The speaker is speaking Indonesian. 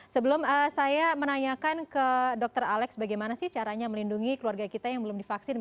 sebelum saya menanyakan ke dr alex bagaimana sih caranya melindungi keluarga kita yang belum divaksin